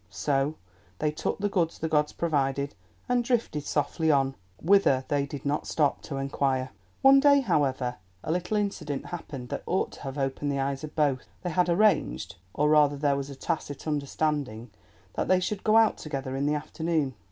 So they took the goods the gods provided, and drifted softly on—whither they did not stop to inquire. One day, however, a little incident happened that ought to have opened the eyes of both. They had arranged, or rather there was a tacit understanding, that they should go out together in the afternoon.